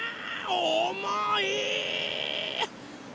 おもい！